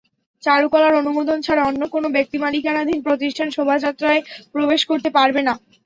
চারুকলার অনুমোদন ছাড়া অন্য কোনো ব্যক্তিমালিকানাধীন প্রতিষ্ঠান শোভাযাত্রায় প্রবেশ করতে পারবে না।